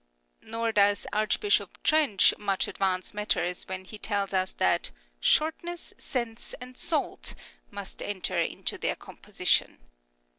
Nor does Archbishop Trench much advance matters when he tells us that " Shortness, sense and salt " must enter into their composition.